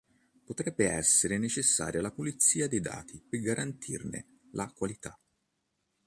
Potrebbe essere necessaria la pulizia dei dati per garantirne la qualità.